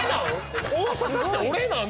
俺なん？